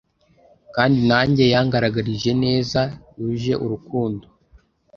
kandi nanjye yangaragarije ineza yuje urukundo